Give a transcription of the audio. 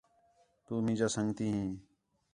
تُو مینجا سنڳتی ہیں